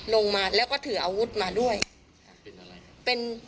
ลงมาแล้วก็ถืออาวุธมาด้วยเป็นอะไร